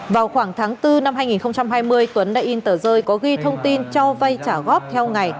vào khoảng tháng bốn năm hai nghìn hai mươi tuấn đã in tờ rơi có ghi thông tin cho vay trả góp theo ngày